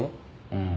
うん。